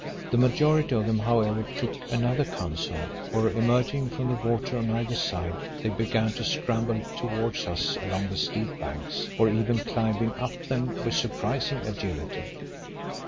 The majority of them, however, took another counsel, for emerging from the water on either side, they began to scramble towards us along the steep banks, or even to climb up them with surprising agility.